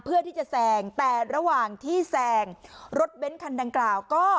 เพื่อที่จะแซงแต่ระหว่างที่แซงรถเบ้นคันดังกล่าวก็